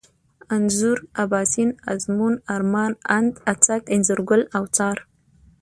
انځور ، اباسين ، ازمون ، ارمان ، اند، اڅک ، انځرگل ، اوڅار